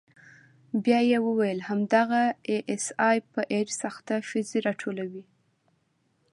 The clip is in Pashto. بيا يې وويل همدغه آى اس آى په ايډز اخته ښځې راټولوي.